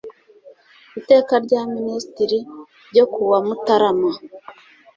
iteka rya mnisitiri ryo kuwa mutarama